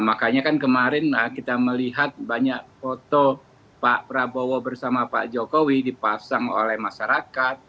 makanya kan kemarin kita melihat banyak foto pak prabowo bersama pak jokowi dipasang oleh masyarakat